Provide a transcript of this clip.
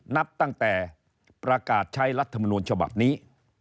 นับตั้งแต่ประกาศใช้รัฐมนูลฉบับนี้